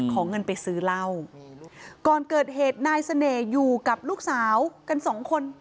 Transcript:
เงินไปซื้อเหล้าก่อนเกิดเหตุนายเสน่ห์อยู่กับลูกสาวกันสองคน